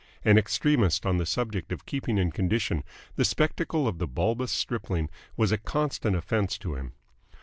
An extremist on the subject of keeping in condition, the spectacle of the bulbous stripling was a constant offence to him.